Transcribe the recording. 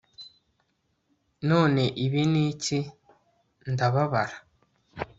None ibi nibiki ndababara